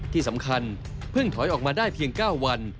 ที่สำคัญเพิ่งถอยออกมาได้เพียง๙วัน